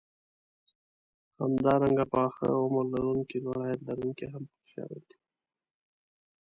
همدارنګه پخه عمر لرونکي لوړ عاید لرونکي هم پکې شامل دي